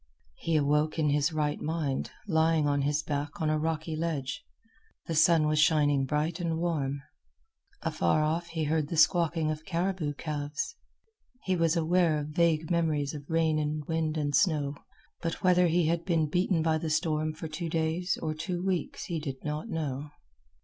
He awoke in his right mind, lying on his back on a rocky ledge. The sun was shining bright and warm. Afar off he heard the squawking of caribou calves. He was aware of vague memories of rain and wind and snow, but whether he had been beaten by the storm for two days or two weeks he did not know.